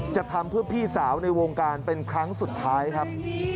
จะทำเพื่อพี่สาวในวงการเป็นครั้งสุดท้ายครับ